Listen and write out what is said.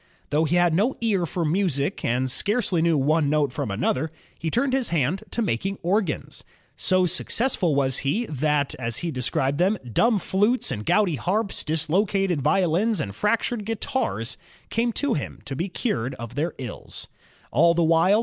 Though he had no ear for music and scarcely knew one note from another, he turned his hand to making organs. So successful was he, that many dimib flutes and gouty harps, dislocated violins, and fractured guitars" came to him to be cured of their ills. All the while.